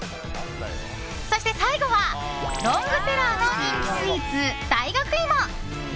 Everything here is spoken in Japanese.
そして最後は、ロングセラーの人気スイーツ、大学いも！